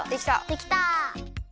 できた！